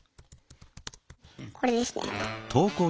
これですね。